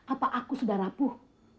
apa aku sudah rapuh